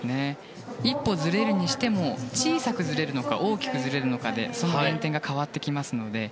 １歩ずれるにしても小さくずれるのか大きくずれるのかで減点が変わってきますので。